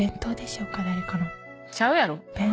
ちゃうやろ。